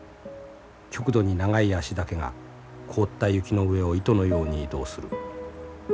極度に長い脚だけが凍った雪の上を糸のように移動する。